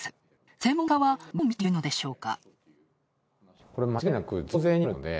専門家は、どう見ているのでしょうか。